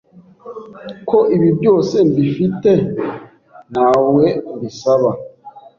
ko ibi byose mbifite nta we mbisaba.